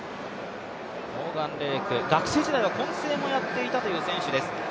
レイク、学生時代も混成もやっていたという選手です。